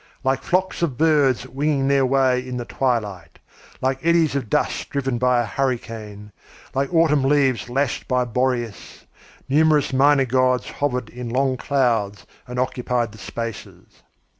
Like flocks of birds winging their way in the twilight, like eddies of dust driven by a hurricane, like autumn leaves lashed by Boreas, numerous minor gods hovered in long clouds and occupied the spaces.